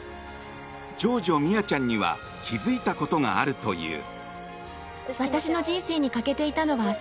長女ミアちゃんには気づいたことがあるという。